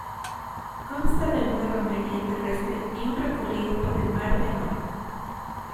Consta de una romería terrestre y un recorrido por el Mar Menor.